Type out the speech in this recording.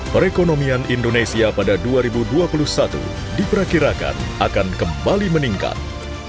perekonomian indonesia pada dua ribu dua puluh satu diperkirakan akan kembali meningkat